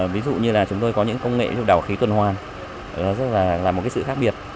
ví dụ như chúng tôi có những công nghệ đào khí tuần hoàn rất là một sự khác biệt